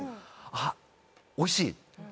あっおいしい。